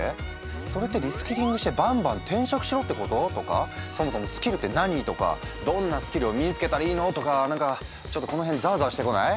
それってリスキリングしてバンバン転職しろってこと？とかそもそもスキルって何？とかどんなスキルを身につけたらいいの？とかなんかちょっとこの辺ざわざわしてこない？